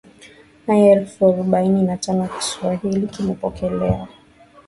aya elfu arobaini na tano Kiswahili kimepokelewa